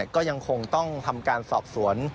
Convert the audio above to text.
ก็ยังคงต้องทำการสอบสวน